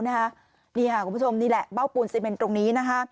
นี่ค่ะคุณผู้ชมนี่แหละเบ้าปูนซีเมนตรงนี้